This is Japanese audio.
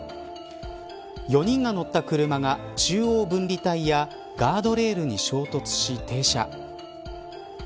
４人が乗った車が中央分離帯やガードレールに衝突し、停車。